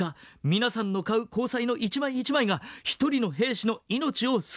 皆さんの買う公債の一枚一枚が一人の兵士の命を救うのです。